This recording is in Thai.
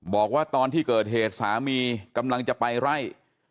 บอกว่าตอนที่เกิดเหตุสามีกำลังจะไปไล่